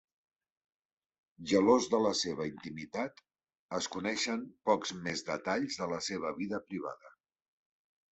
Gelós de la seva intimitat, es coneixen pocs més detalls de la seva vida privada.